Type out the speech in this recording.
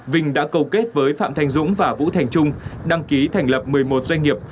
vinh đã cầu kết với phạm thành dũng và vũ thành trung đăng ký thành lập một mươi một doanh nghiệp